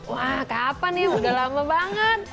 wah kapan nih udah lama banget